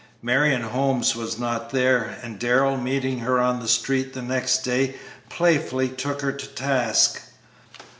Marion Holmes was not there, and Darrell, meeting her on the street the next day, playfully took her to task.